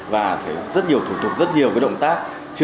và phải rất nhiều thủ tục rất nhiều cái động tác